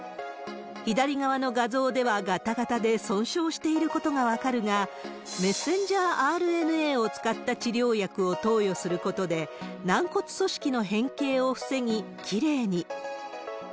左側の画像ではがたがたで損傷していることが分かるが、メッセンジャーＲＮＡを使った治療薬を投与することで、軟骨組織の変形を防ぎ、きれいに。